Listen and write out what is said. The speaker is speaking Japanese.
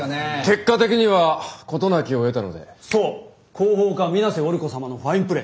広報課皆瀬織子様のファインプレー。